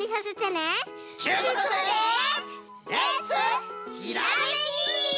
ちゅうことでレッツひらめき！